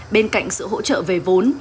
bên cạnh sự hỗ trợ về vốn